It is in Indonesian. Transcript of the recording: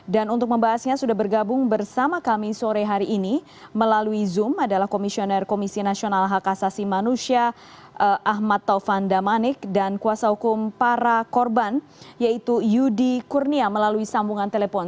dan untuk membahasnya sudah bergabung bersama kami sore hari ini melalui zoom adalah komisioner komisi nasional hak asasi manusia ahmad taufan damanik dan kuasa hukum para korban yaitu yudi kurnia melalui sambungan telepon